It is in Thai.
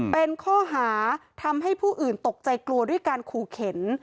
เป็นข้อหาทำให้ผู้อื่นตกใจกลัวด้วยการขู่เข็น